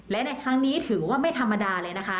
และในครั้งนี้ถือว่าไม่ธรรมดาเลยนะคะ